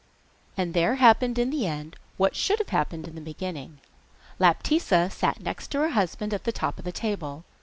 And there happened in the end what should have happened in the beginning. Laptitza sat next her husband at the top of the table.